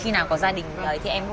từ lúc mà chưa gặp em